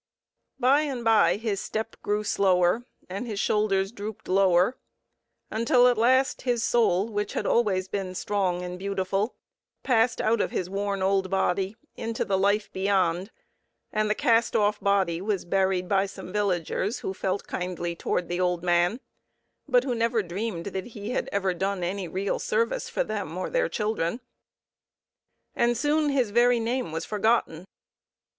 By and by his step grew slower and his shoulders drooped lower until at last his soul, which had always been strong and beautiful, passed out of his worn old body into the life beyond, and the cast off body was buried by some villagers who felt kindly towards the old man, but who never dreamed that he had ever done any real service for them or their children. And soon his very name was forgotten.